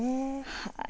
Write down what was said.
はい。